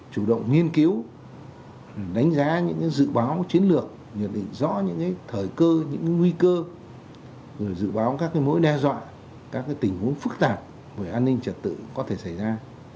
chủ động nghiên cứu đánh giá những dự báo chiến lược nhận định rõ những thời cơ những nguy cơ dự báo các mối đe dọa các tình huống phức tạp về an ninh trật tự có thể xảy ra